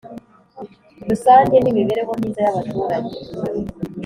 Rusange n Imibereho Myiza y Abaturage